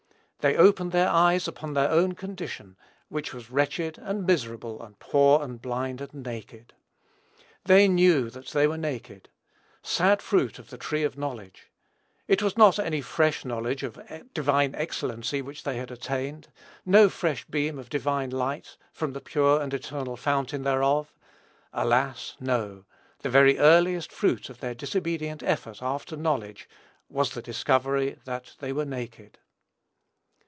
They opened their eyes upon their own condition, which was "wretched, and miserable, and poor, and blind, and naked." "They knew that they were naked," sad fruit of the tree of knowledge! It was not any fresh knowledge of divine excellency they had attained, no fresh beam of divine light from the pure and eternal fountain thereof, alas! no: the very earliest result of their disobedient effort after knowledge was the discovery that they were naked.